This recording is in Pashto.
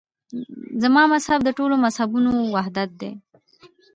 زما مذهب د ټولو مذهبونو وحدت دی.